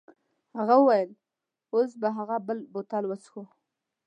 هغه وویل اوس به هغه بل بوتل وڅښو.